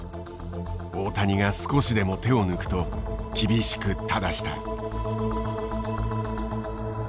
大谷が少しでも手を抜くと厳しく正した。